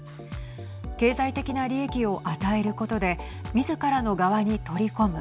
経済的な利益を与えることでみずからの側に取り込む。